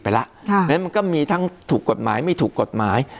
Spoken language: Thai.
เพราะฉะนั้นมันก็มีทั้งถูกกฎหมายไม่ถูกกฎหมาย